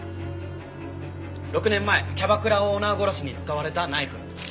６年前キャバクラオーナー殺しに使われたナイフ。